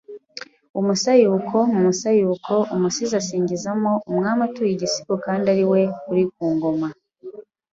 Umusayuko Mu musayuko umusizi asingizamo umwami atuye igisigo kandi a ari we uri ku ngoma